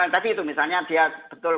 tadi itu misalnya dia betul